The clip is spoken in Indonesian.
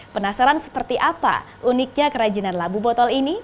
penasaran seperti apa uniknya kerajinan labu botol ini